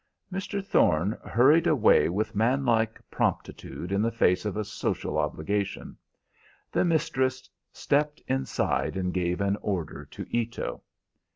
Mr. Thorne hurried away with manlike promptitude in the face of a social obligation. The mistress stepped inside and gave an order to Ito.